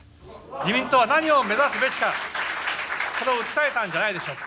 自民党は何を目指すべきか、それを訴えたんじゃないでしょうか。